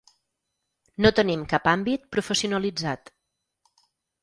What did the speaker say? No tenim cap àmbit professionalitzat.